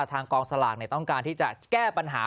กองสลากต้องการที่จะแก้ปัญหา